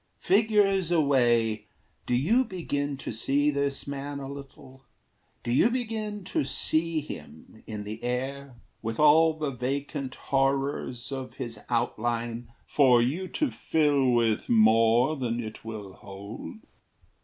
Figures away, Do you begin to see this man a little? Do you begin to see him in the air, With all the vacant horrors of his outline For you to fill with more than it will hold?